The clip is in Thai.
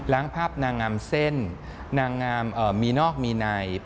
ภาพนางงามเส้นนางงามมีนอกมีใน